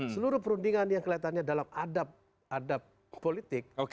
seluruh perundingan yang kelihatannya dalam adab adab politik